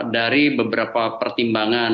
dari beberapa pertimbangan